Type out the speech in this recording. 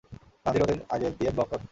গান্ধী রোডের আগে দিয়ে ব্লক কর।